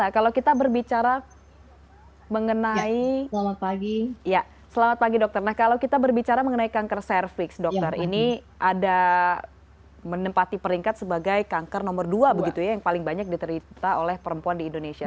kalau kita berbicara mengenai kanker cervix ini menempati peringkat sebagai kanker nomor dua yang paling banyak diterita oleh perempuan di indonesia